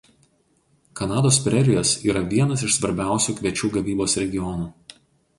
Kanados prerijos yra vienas iš svarbiausių kviečių gavybos regionų.